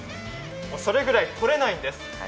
それぐらいとれないんです。